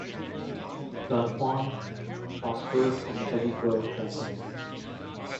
Dunhuang prospered on the heavy flow of traffic.